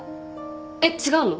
えっ違うの？